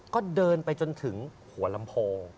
ก็เดินไปจนถึงหัวลำโพง